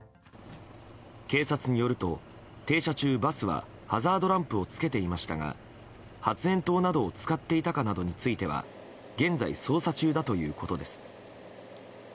警察によると、停車中バスはハザードランプをつけていましたが発炎筒などを使っていたかなどについては現在、捜査中だということです。